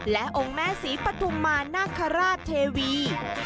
และองค์แม่ศรีปฐุมมานาคาราชเทวี